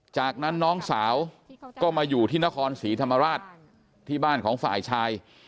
จากนั้นน้องสาวก็มาอยู่ที่นครศรีธรรมราชที่บ้านของฝ่ายชาย